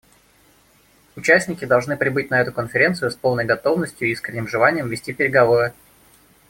Участники должны прибыть на эту конференцию с полной готовностью и искренним желанием вести переговоры.